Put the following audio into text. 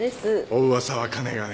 お噂はかねがね。